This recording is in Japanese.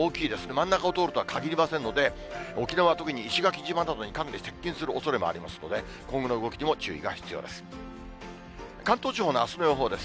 真ん中を通るとはかぎりませんので、沖縄、特に石垣島などにかなり接近するおそれもありますので、今後の動きにも注意が必要です。